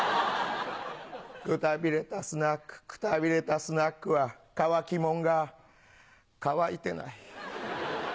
くたびれたスナックくたびれたスナックは乾きもんが乾いてない。